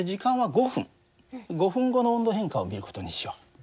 ５分後の温度変化を見る事にしよう。